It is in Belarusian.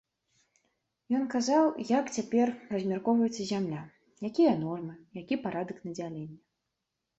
Ён казаў, як цяпер размяркоўваецца зямля, якія нормы, які парадак надзялення.